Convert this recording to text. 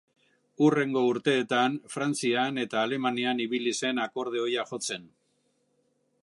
Hurrengo urteetan Frantzian eta Alemanian ibili zen akordeoia jotzen.